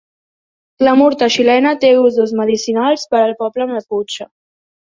La murta xilena té usos medicinals per al poble maputxe.